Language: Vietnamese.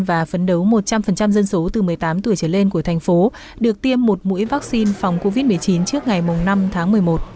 và phấn đấu một trăm linh dân số từ một mươi tám tuổi trở lên của thành phố được tiêm một mũi vaccine phòng covid một mươi chín trước ngày năm tháng một mươi một